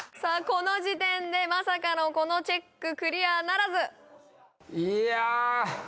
この時点でまさかのこのチェッククリアならずいやー